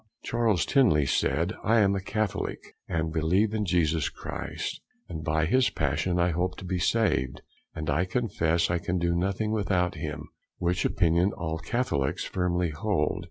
Charles Tilney said, I am a Catholick, and believe in Jesus Christ, and by his Passion I hope to be saved; and I confess I can do nothing without him, which opinion all Catholicks firmly hold.